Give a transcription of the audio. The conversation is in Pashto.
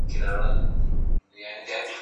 ادب د انساني ژوند ژباړن دئ.